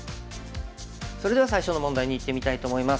それでは最初の問題にいってみたいと思います。